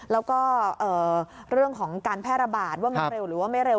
แล้วก็เรื่องของการแพร่ระบาดว่ามันเร็วหรือว่าไม่เร็ว